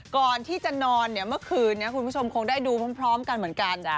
ก่อนที่จะนอนเนี่ยเมื่อคืนนี้คุณผู้ชมคงได้ดูพร้อมกันเหมือนกัน